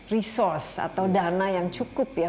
resource atau dana yang cukup ya